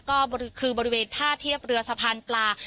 ก็คือบริเวณท่าเทียบเรือสะพานปลา